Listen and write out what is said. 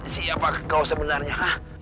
siapa kau sebenarnya